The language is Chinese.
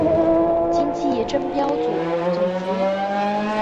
今季争标组总结。